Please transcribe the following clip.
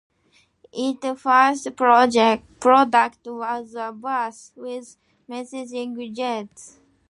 Its first product was a bath with massaging jets.